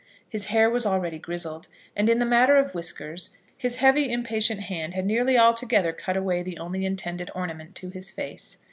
His hair was already grizzled, and, in the matter of whiskers, his heavy impatient hand had nearly altogether cut away the only intended ornament to his face.